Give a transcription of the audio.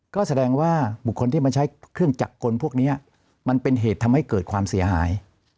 ก็แสดงว่าบุคคลที่มันใช้เครื่องจักรกลพวกนี้มันเป็นเหตุทำให้เกิดความเสียหาย